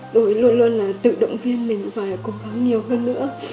rồi luôn luôn là tự động viên mình và cố gắng nhiều hơn nữa